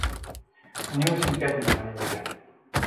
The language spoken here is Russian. У него семь пятниц на неделе.